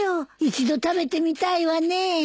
一度食べてみたいわね。